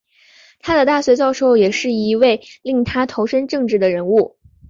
他的大学教授也是一位令他投身政治的人物。